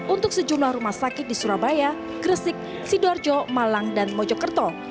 untuk sejumlah rumah sakit di surabaya gresik sidoarjo malang dan mojokerto